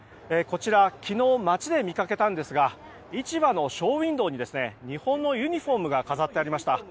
こちら昨日街で見かけたんですが市場のショーウィンドーに日本のユニホームが飾ってありました。